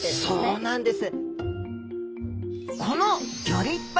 そうなんです！